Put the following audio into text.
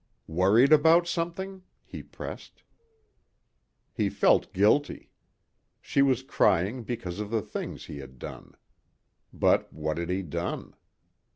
"Worried about something?" he pressed. He felt guilty. She was crying because of the things he had done. But what had he done?